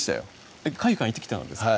えっ海遊館行ってきたんですか？